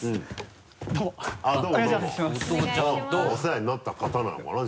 お世話になった方なのかな？